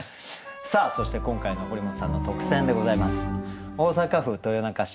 さあそして今回の堀本さんの特選でございます。